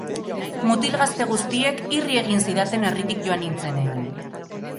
Mutil gazte guztiek irri egin zidaten herritik joan nintzenean.